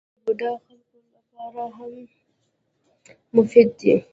زردالو د بوډا خلکو لپاره هم مفید دی.